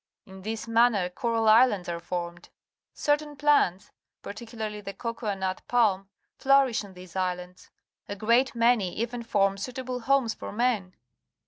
In this manner coral islands are formed. Certain plants, particularly the Coral, oS the Coast of Australia cocoa nut palm, flourish on these islands. A great many even form suitable homes for men.